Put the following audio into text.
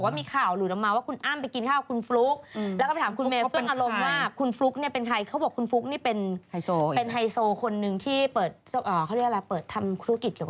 เหมือนญี่ปุ่นเนี่ยเหมือนญี่ปุ่นเหมือนญี่ปุ่นเกาหลี